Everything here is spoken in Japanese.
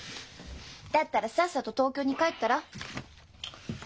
だったらさっさと東京に帰ったら？